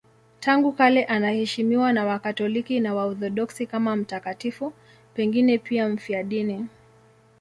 Tangu kale anaheshimiwa na Wakatoliki na Waorthodoksi kama mtakatifu, pengine pia mfiadini.